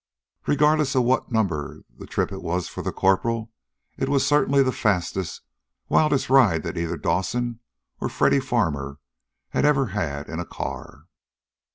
Regardless of what number trip it was for that corporal, it was certainly the fastest, wildest ride that either Dawson or Freddy Farmer had ever had in a car.